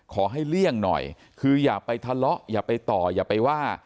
เลี่ยงหน่อยคืออย่าไปทะเลาะอย่าไปต่ออย่าไปว่า